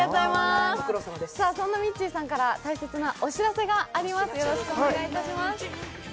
そんなミッチーさんから大切なお知らせがあります。